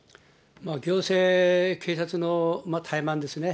行政、警察の怠慢ですね。